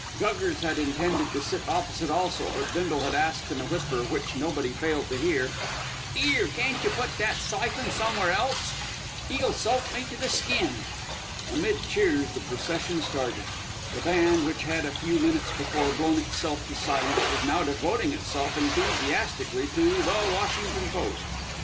Guggers had intended to sit opposite also, but Bindle had asked in a whisper which nobody failed to hear: "'Ere, can't yer put that syphon somewhere else? 'E'll soak me to the skin." Amid cheers the procession started. The band, which had a few minutes before blown itself to silence, was now devoting itself enthusiastically to "The Washington Post."